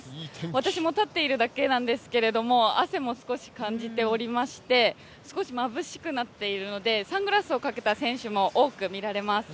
私も立っているだけなんですけど、汗も少し感じておりまして少しまぶしくなっているので、サングラスをかけた選手も多く見られます。